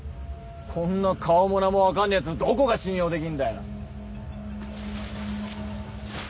こんな顔も名も分かんねえ奴のどこが信用できんだよ。